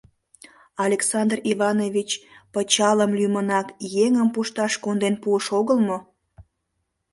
— Александр Иванович пычалым лӱмынак еҥым пушташ конден пуыш огыл мо?..